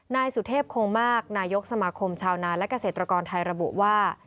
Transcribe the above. นายสุเทพคงมากนายกสมาคมชาวนาและเกษตรกรไทยระบุว่า